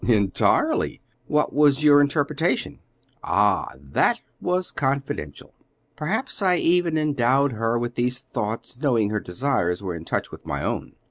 "Entirely. What was your interpretation?" "Ah, that was confidential. Perhaps I even endowed her with these thoughts, knowing her desires were in touch with my own."